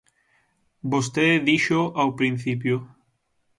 Vostede díxoo ao principio.